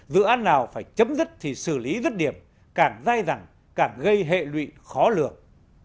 dự án nào phải chấm dứt thì xử lý dứt điểm càng dai rằng càng gây hệ lụy khó lường